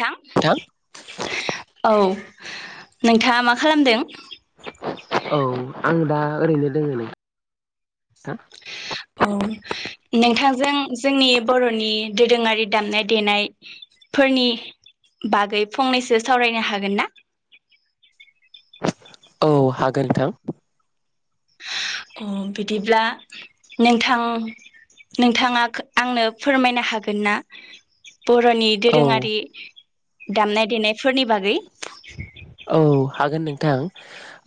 थां नोंथां? औ। नोंथाङा मा खालामदों? औ आं दा ओरैनो दोङो [unintelligible] थां औ नोंथांजों जोंनि बर'नि दोरोङारि दामनाय देनाय फोरनि बागै फंनैसो सावरायनो हागोन ना? औ हागोन नोंथां। अ बिदिब्ला नोंथां नोंथाङा आंनो फोरमायनो हागोन ना बरनि औ दोरोङारि दामनाय देनायफोरनि बागै औ हागोन नोंथां।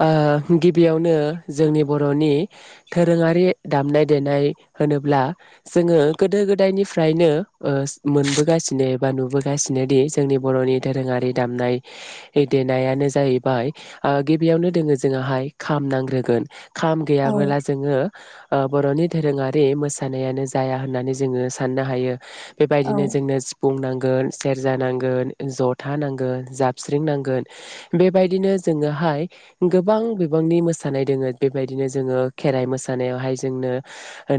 ओ गिबियावनो जोंनि बर'नि दोरोङारि दामनाय देनाइ होनोब्ला जोङो गोदो गोदायनिफ्राइनो ओ मोनबोगासिनो एबा नुबोगासिनो दि जोंनि बर'नि दोरोङारि दामनाय देनायानो जाहैबाय ओ गिबियावनो दोङो जोंहाय खाम नांग्रोगोन। खाम औ गैयाबोला जोङो ओ बर'नि दोरोङारि मोसानायानो जाया होननानै जोङो साननो हायो। औ बेबायदिनो जोंनो सिफुं नां गोन, सेर्जा नांगोन, जथा नांगोन, जाबस्रिं नांगोन बेबायदिनो जोङोहाय गोबां बिबांनि मोसानाय दोङो बेबायदिनो जोङो खेराइ मोसानायावहाय जोंनो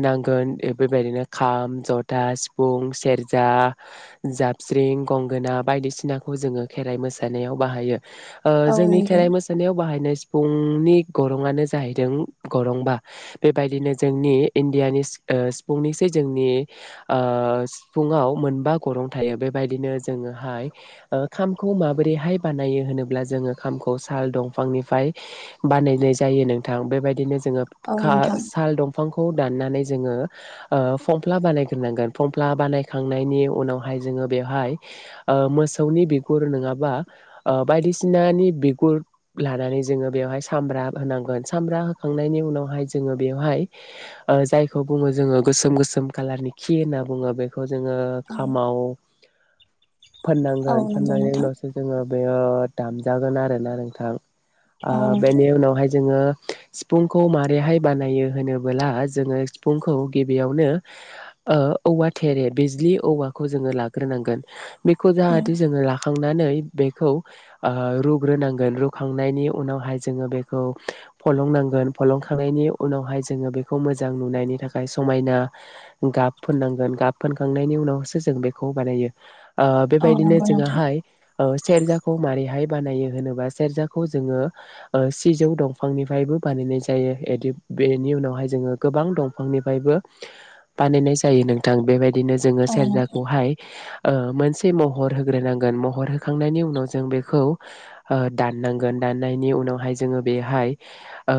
नांगोन बेबायदिनो खाम, जथा, सिफुं, सेर्जा, जाबस्रिं, गंगोना बायदिसिनाखौ जोङो खेराइ मोसानायाव बाहायो। ओ औ जोंनि नंगौ खेराइ मोसानायाव बाहायनाइ फुंनि गरङा जाहैदों गरंबा बेबायदिनो जोंनि इण्डियानि सिफुंनिसै जोंनि सिफुङाव मोनबा गरं थायो बेबायदिनो जोङोहाय खामखौ माबोरैहाय बानायो होनोब्ला जोङो खाम साल दंफांनिफ्राय बानायनाय जायो नोंथां। बेबायदिनो जों जोङो औ खा नोंथां साल दंफांखौ दाननानै जोङो ओ फमफ्ला बानायगोरनांगोन फमफ्ला बानायखांनायनि उनावहाय जोङो बेवहाय ओ मोसौनि बिगुर नोङाबा ओ बायदिसिनानि बिगुर लानानै जोङो बेवहाय सामब्रा होनांगोन सामब्रा होखांनायनि उनावहाय जोङो बेवहाय ओ जायखौ बुङो जोङो गोसोम गोसोम कालारनि खि होनना बुङो बेखौ खौ जोङो औ खामाव औ फोननांगोन, नंगौ फोननायनि नोंथां उनावसो जोङो बेयो दामजागोन आरोना नोंथां। ओ औ नोंथां बेनि उनावहाय जोङो सिफुंखौ माबारैहाय बानायो होनबोला जोङो सिफुंखौ गिबियावनो औवा थेरे, बिज्लि औवाखौ जोङो लाग्रोनांगोन। बेखौ औ जाहाथे जोङो ला खांनानै बेखौ ओ रुग्रोनांगोन, रुखांनायनि उनावहाय जोङो बेखौ फलंनांगोन, फलंखांनायनि उनावहाय जोङो बेखौ मोजां नुनायनि थाखाय समायना गाब फोननांगोन, गाब फोनखांनायनि उनावसो जों बेखौ बानायो। ओ औ बेबायदिनो नंगौ नोंथां जोंङाहाय ओ सेरजाखौ माबारैहाय बानायो होनोबा, सेरजाखौ जोंङो सिजौ दंफांनिफायबो बानायनाय जायो, [unintelligible] बेनि उनावहाय जोंङो गोबां दंफांनिफायबो बानायनाय जायो नोंथां। बेबायद दिनो जोंङो औ नोंथां सेरजाखौहाय ओ मोनसे महर होग्रोनांगोन महर हो होखांनायनि उनाव जों बेखौ ओ दाननांगोन, दाननायनि उनावहाय जोंङो बेहाय ओ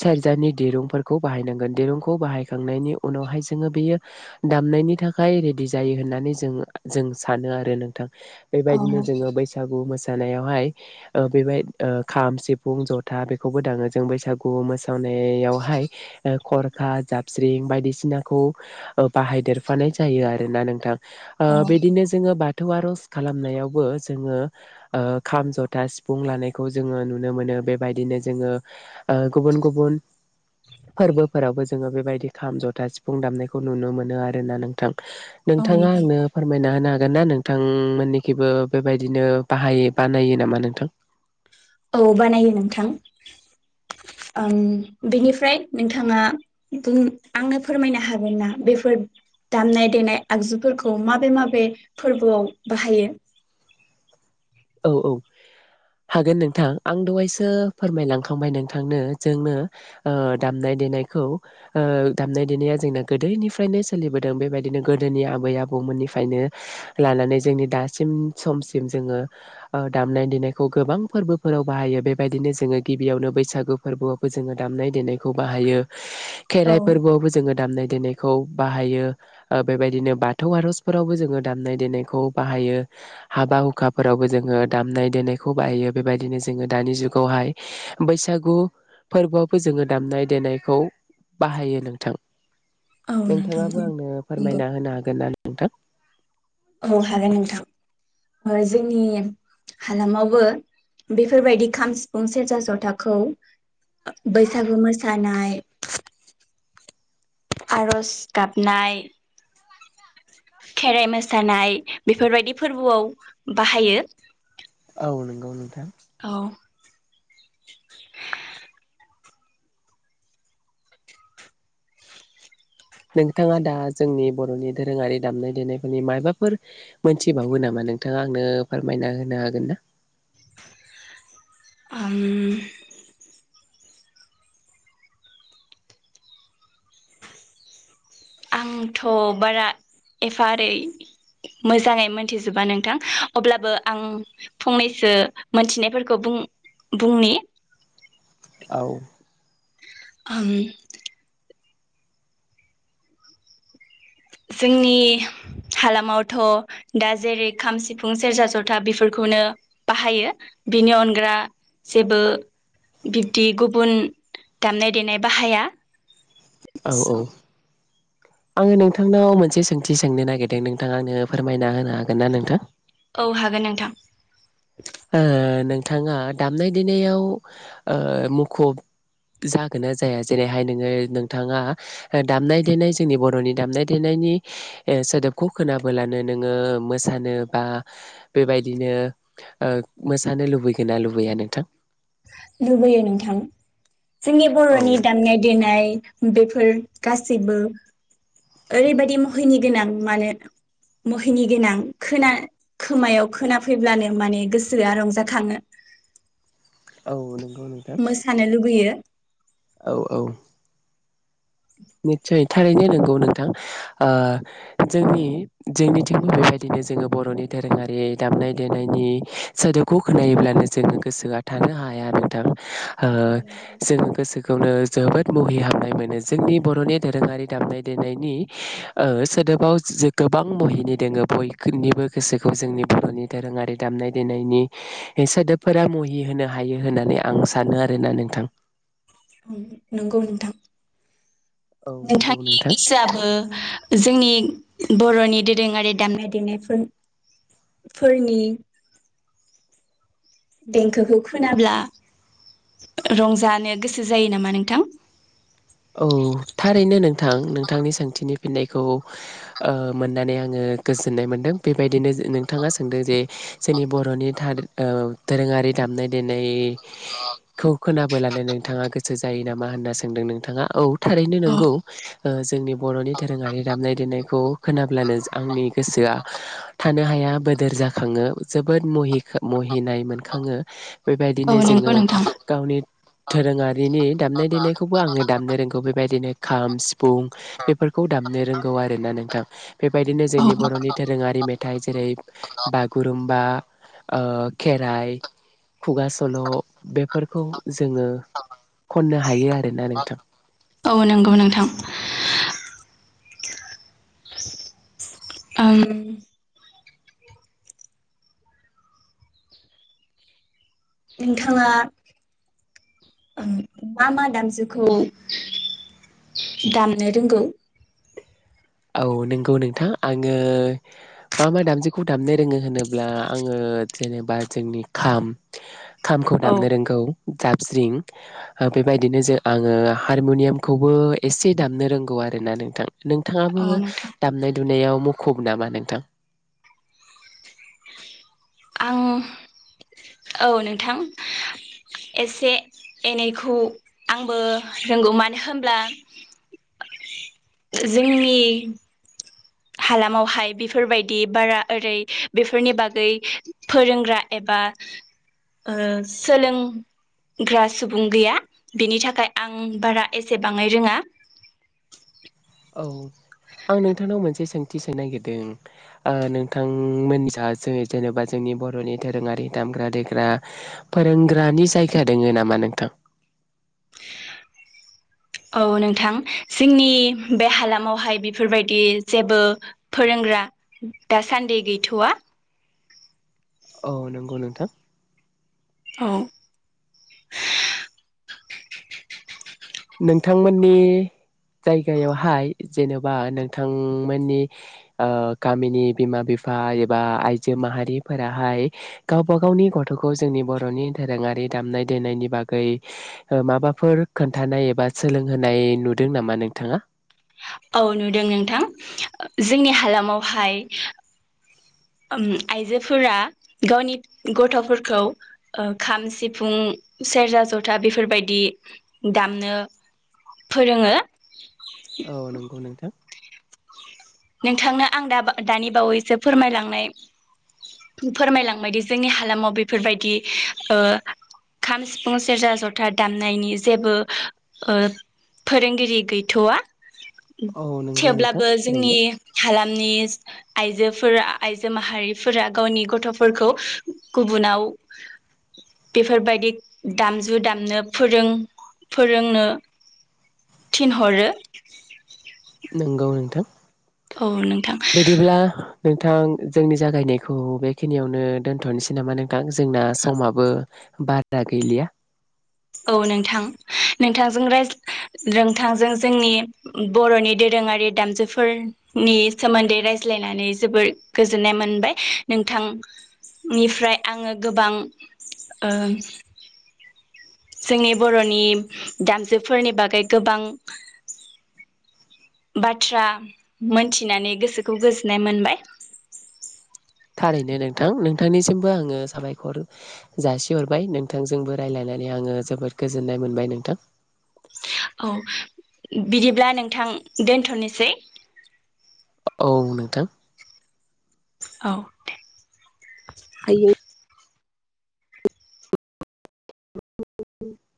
सेरजानि दिरुंफोरखौ बाहायनांगोन, दिरुंखौ बाहायखांनायनि उनावहाय जोंङो बेयो दामनायनि थाखाय रेडि जायो होननानै जोंङो जों सानो आरो नोंथां। औ बेबायदिनो नोंथां बैसागु मोसानायावहाय ओ बेबाय ओ खाम, सिफुं, जथा बेखौबो दाङो जों बैसागु मोसानायावहाय ओ खरखा, जाबस्रिं बायदिसिनाखौ ओ बाहायदेरफानाय जायो आरोना नोंथां। ओ औ बिदिनो जोंङो बा बाथौ आर'ज खालामनायावबो जोंङो ओ खाम, जथा, सिफुं लानायखौ जोंङो नुनो मोनो बेबायदिनो जोंङो ओ गुबुन गुबुन फोरबो फोरावबो जोंङो बेबायदि खाम, जथा, सिफुं दामनायखौ नुनो मोनो आरोना नोंथां। औ नोंथांङा नोंथां आंनो फोरमायना होनो हा गोनना नोंथांमोननिखिबो बेबायदिनो बाहायो बानायो नामा नोंथां? औ बानायो नोंथां ओम बेनिफ्राय नोंथांङा बुं आंनो फोरमायनो हागोन ना? बेफोर दामनाय देनाय आगजुफोरखौ माबे माबे फोरबोआव बाहायो? औ औ हागोन नोंथां आं दहायसो फोरमायलांखांबाय नोंथांनो जोंनो ओ दामनाय देनायखौ ओ दामनाय-देनाया जोंना गोदोनिफ्रायनो सोलिबोदों, बेबायदिनो गोदोनि आबै आबौ मोननिफ्रायनो लानानै जोंनि दासिम समसिम जोंङो ओ दामनाय देनायखौ गोबां फोरबोफोराव बाहायो बेबायदिनो जोंङो गिबियावनो बैसागु फोरबोआवबो जोंङो दामनाय देनायखौ बाहायो। औ खेराइ फोरबोआवबो जोंङो दामनाय देनायखौ बाहायो, ओ बेबायदिनो बाथौ आर'जफोरावबो जोंङो दामनाय देनायखौ बाहायो, हाबा हुखा फोरावबो जोंङो दामनाय देनायखौ बाहायो, बेबायदिनो जोंङो दानि जुगावहाय बैसागु फोरबोआवबो जोंङो दामनाय देनायखौ बाहायो नोंथां। औ नोंथां नोंथांङाबो औ आंनो नंगौ। फोरमायना होनो हागोन ना? नोंथां औ हागोन नोंथां। जोंनि हालामावबो बेफोरबायदि खाम, सिफुं, सेरजा ज'थाखौ बैसागु मोसानाय, आर'ज गाबनाय खेराइ मोसानाय बेफोरबायदि फोरबोआव बाहायो। औ नंगौ नोंथां। औ [unintelligible] नोंथांङा दा जोंनि बर'नि दोरोंङारि दामनाय देनायफोरनि माबाफोर मोनथिबावो नामा नोंथांङा आंनो फोरमायना होनो हागोन ना? आं आंथ' बारा एफा एरै मोजाङै मोनथिजोबा नोंथां, अब्लाबो आं फंनैसो मोनथिनायफोरखौ बुं-बुंनि। औ। आं जोंनि हालामावथ दा जेरै- खाम, सिफुं, सेरजा, जथा बेफोरखौनो बाहायो बिनि अनगा जेबो बिब्दि गुबुन दामनाय-देनाय बाहाया। औ औ। आं नोंथांनाव मोनसे सोंथि सोंनो नागिरदों नोंथांआ आंनो फोरमायना होनो हागोन ना नोंथां? औ हागोन नोंथां। ओ नोंथाङा दामनाय-देनायाव मुखुब जागोन ना जाया जेरैहाय नोङो नोंथाङा दामनाय-देनाय जोंनि बरनि दामनाय-देनायनि सोदोबखौ खोनाबोलानो नोङो मोसानो बा बेबायदिनो ओ मोसानो लुबैगोन ना लुबैया नोंथां? लुबैयो नोंथां। जोंनि औ बरनि दामनाय देनाय बेफोर गासैबो ओरैबायदि मुहिनि गोनां मानो मुहिनि गोनां खोना खोमायाव खोनाफैब्लानो माने गोसोआ रंजाखाङो। औ नों मोसानो लुुबैयो। औ औ। निस्सय थारैनो नंगौ नोंथां। ओ जोंनि जोंनिथिं बेबायदिनो जोङो बरनि दोरोङारि दामनाय-देनायनि सोदोबखौ खोनायोलानो जोङो गोसोआ थानो हाया नोंथां, ओ औ जों गोसोखौनो जोबोद मुहि हाबनाय मोनो जोंनि बरनि दोरोङारि दामनाय-देनायनि ओ सोदोबाव जे गोबां मुहिनि दङो बयखौनिबो गोसोखौ जोंनि बरनि दोरोङारि दामनाय-देनायनि सोदोबफोरा मुहि होनो हायो होननानै आं सानो औ आरोना नंगौ नोंथां नोंथां, उम नंगौ नोंथां। औ नंगौ नोंथांनि नोंथां गोसोआबो जोंनि बरनि दोरोङारि दामनाय-देनायफोरफोरनि देंखोखौ खोनाब्ला रंजानो गोसो जायो नामा नोंथां? औ थारैनो नोंथां, नोंथांनि सोंथिनि फिन्नायखौ ओ मोननानै आङो गोजोननाय मोनदों बेबायदिनो नोंथाङा सोंदों जे जोंनि बरनि थ-दोरोङारि दामनाय-देनायखौ खोनाबोलानो नोंथाङा गोसो जायो नामा होनना सोंदों नोंथाङा। औ थारैनो नंगौ ओ जोंनि बरनि दोरोङारि दामनाय-देनायखौ खोनाब्लानो आंनि गोसोआ थानो हाया बोदोर जाखाङो जोबोद मुहि मुहिनाय मोनखाङो। बेबायदिनो औ नंगौ जोङो नोंथां गावनि दोरोङारिनि दामनाय देनायखौबो आङो दामनो रोंगौ बेबायदिनो खाम, सिफुं बेफोरखौ दामनो रोंगौ आर ना नोंथां। बेबायदिनो औ जोंनि बरनि दोरोङारि मेथाइ जेरै- बागुरुमबा, खेराइ खुगा सल, बेफोरखौ जोङो खननो हायो आरोना नोंथां। औ नंगौ नोंथां। ओम नोंथाङा मा मा दामजुखौ दामनो रोंगौ? औ नंगौ नोंथां आङो मा मा दामजुखौ दामनो रोङो होनोब्ला आङो जेनेबा जोंनि खाम, खामखौ औ दामनो रोंगौ, दाबस्रिं बेबायदिनो जों आङो हारमुनियामखौबो एसे दामनो रोंगौ आरोना नोंथां। नोंथां नोंथाङाबो औ नोंथां दामनाय-दुनायाव मुखुब नामा नोंथां? आं औ नोंथां एसे एनैखौ आंबो रोंगौ, मानो होनब्ला जोंनि हालामावहाय बेफोरबायदि बारा ओरै बेफोरनि बागै फोरोंग्रा एबा ओ सोलोंग्रा सुबुं गैया बिनि थाखाय आं बारा एसेबाङै रोङा। औ आं नोंथांनाव मोनसे सोंथि सोंनो नागिरदों ओ नोंथांमोनजा जों जेनबा जोंनि बरनि दोरोङारि दामग्रा देग्रा फोरोंग्रानि जायगा दोङो नामा नोंथां औ नोंथां जोंनि बे हालामावहाय बेफोरबायदि जेबो फोरोंग्रा दासान्दि गैथआ औ नंगौ नोंथां औ नोंथांमोननि जायगायावहाय जेनबा नोंथांमोननि गामिनि ओ बिमा बिफा एबा आइजो माहारिफोराहाय गावबा गावनि गथखौ जोंनि बरनि दोरोङारि दामनाय देनायनि बागै माबाफोर खोन खोन्थानाय एबा सोलोंहोनाय नुदों नामा नोंथाङा औ नुदों नोंथां जोंनि हालामावहाय ओम आइजोफोरा गावनि गथफोरखौ ओ खाम सिफुं सेरजा जथा बेफोरबायदि दामनो फोरोङो औ नंगौ नोंथां नोंथांनो आं दा दानि बावैसो फोरमायलांनाय फोरमायलांबायदि जोंनि हालामाव बेफोरबायदि ओ खाम सिफुं सेरजा ज'था दामनायनि जेबो ओ फोरोंगिरि गैथ'वा औ नंगौ नोंथां थेवब्लाबो जोंनि थारैनो हालामनि आइजोफोरा आइजो माहारिफोरा गावनि गथ'फोरखौ गुबुनाव बेफोरबायदि दामजु दामनो फोरों फोरोंनो थिनहरो। नंगौ नोंथां औ नोंथां बिदिब्ला नोंथां जोंनि जागायनायखौ बेखिनियावनो दोनथ'नोसै नामा नोंथां जोंना समाबो बादा गैलिया औ नोंथां नोंथांजों राज्ला नोंथांजों जोंनि बर'नि दोरोङारि दामजुफोरनि सोमोन्दै रायज्लायनानै जोबोर गोजोननाय मोनबाय नोंथांनिफ्राय आङो गोबां ओ जोंनि बर'नि दामजुफोरनि बागै गोबां बाथ्रा मोनथिनानै गोसोखौ गोजोननाय मोनबाय थारैनो नोंथां नोंथांनिसिमबो आङो साबायखर जासिहरबाय नोंथांजोंबो रायलायनानै आङो जोबोद गोजोननाय मोनबाय नोंथां औ बिदिब्ला नोंथां दोनथ'नोसै औ नोंथां औ दे आयो [unintelligible]